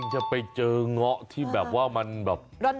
ฉันก็ไปเจอง็าที่แบบว่ามันครอด